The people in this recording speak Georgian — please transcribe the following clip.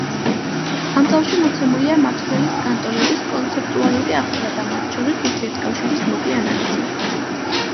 ამ თავში მოცემულია მაქსველის განტოლებების კონცეპტუალური აღწერა და მათ შორის ურთიერთკავშირის მოკლე ანალიზი.